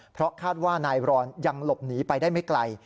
เพราะคาดว่านายรอนยังหลบหนีไปได้ไม่ไกล